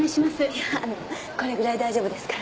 いやこれぐらい大丈夫ですから。